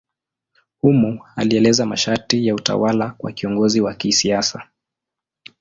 Humo alieleza masharti ya utawala kwa kiongozi wa kisiasa.